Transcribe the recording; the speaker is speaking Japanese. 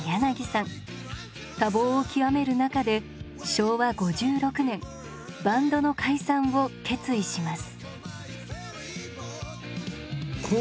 多忙を極める中で昭和５６年バンドの解散を決意します。